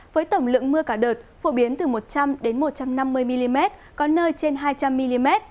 với tổng lượng mưa cả đợt phổ biến từ một trăm linh một trăm năm mươi mm có nơi trên hai trăm linh mm